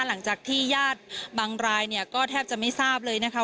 หลังจากที่ญาติบางรายเนี่ยก็แทบจะไม่ทราบเลยนะคะ